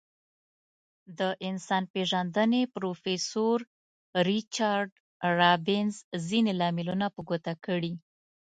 د انسان پیژندنې پروفیسور ریچارد رابینز ځینې لاملونه په ګوته کړي.